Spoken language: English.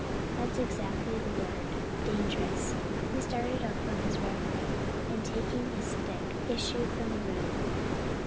That 's exactly the word, dangerous!" He started up from his revery, and, taking his stick, issued from the room.